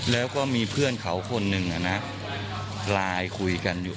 แล้วก็มีเพื่อนเขาคนหนึ่งไลน์คุยกันอยู่